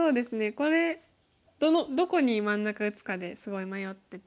これどこに真ん中打つかですごい迷ってて。